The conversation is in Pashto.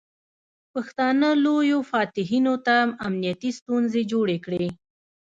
پښتانه لویو فاتحینو ته امنیتي ستونزې جوړې کړې.